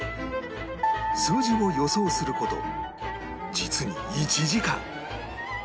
数字を予想する事実に１時間